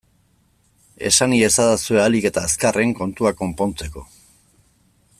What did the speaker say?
Esan iezadazue ahalik eta azkarren, kontua konpontzeko!